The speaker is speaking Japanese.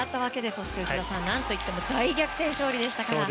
そして内田さん、何といっても大逆転勝利でしたから。